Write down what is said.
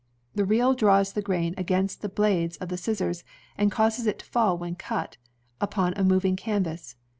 The reel draws the grain against the blades of the scissors, and causes it to fall, when cut, upon a moving canvas.